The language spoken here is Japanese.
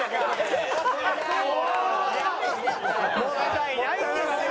もったいないんですよ。